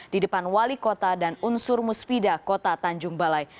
di depan wali kota dan unsur musbida kota tanjung balai